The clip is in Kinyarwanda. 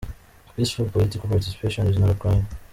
Peaceful political participation is not a crime.